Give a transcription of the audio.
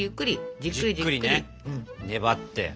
じっくりねねばって。